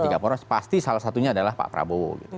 tiga poros pasti salah satunya adalah pak prabowo